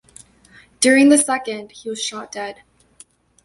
During the second, he was shot dead.